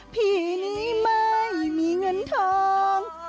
พี่นี้ไม่มีเงินทอง